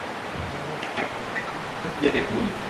আগামীকাল আরেকবার ভালোভাবে খুঁজে দেখবোনি।